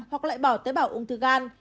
hoặc lại bỏ tế bảo ung thư gan